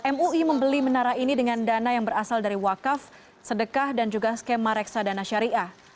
mui membeli menara ini dengan dana yang berasal dari wakaf sedekah dan juga skema reksadana syariah